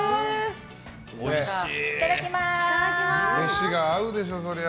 飯が合うでしょ、そりゃ。